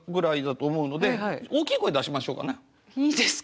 いいですか。